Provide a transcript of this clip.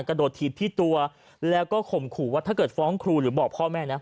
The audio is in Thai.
กระโดดถีบที่ตัวแล้วก็ข่มขู่ว่าถ้าเกิดฟ้องครูหรือบอกพ่อแม่นะ